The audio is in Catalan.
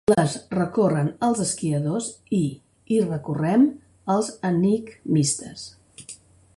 Les recorren els esquiadors i hi recorrem els enigmistes.